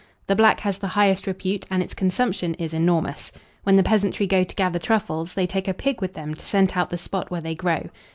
The black has the highest repute, and its consumption is enormous. When the peasantry go to gather truffles, they take a pig with them to scent out the spot where they grow.